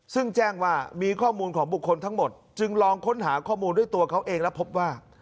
ซึ่งแจ้งว่ามีข้อมูลของบุคคลทั้งหมดจึงลองค้นหาข้อมูลด้วยตัวเขาเองและพบว่า